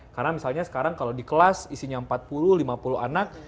karena misalnya sekarang kalau di kelas isinya empat puluh lima puluh anak